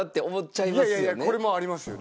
いやいやいやこれもありますよね。